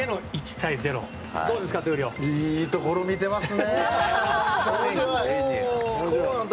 いいところを見てますね、本当に。